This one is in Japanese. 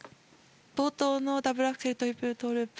冒頭のダブルアクセルトリプルトウループ。